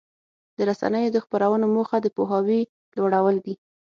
د رسنیو د خپرونو موخه د پوهاوي لوړول دي.